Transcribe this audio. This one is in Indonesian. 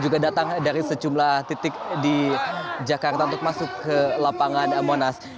juga datang dari sejumlah titik di jakarta untuk masuk ke lapangan monas